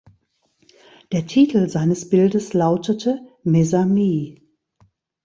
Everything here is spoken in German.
Der Titel seines Bildes lautete "Mes amis".